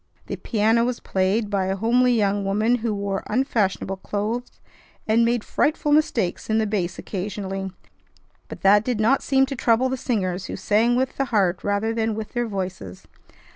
The piano was played by a homely young woman who wore unfashionable clothes, and made frightful mistakes in the bass occasionally; but that did not seem to trouble the singers, who sang with the heart rather than with their voices.